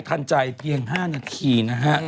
ทันใจเพียง๕นาทีนะฮะ